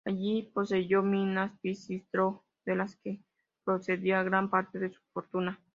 Allí poseyó minas Pisístrato, de las que procedía gran parte de su fortuna.